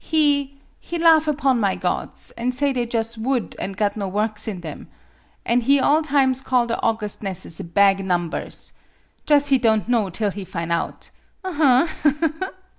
He he laugh upon my gods, an' say they jus' wood an' got no works in them. An' he all times call the augustnesses bag nombers! Jus' he don' know till he fine out.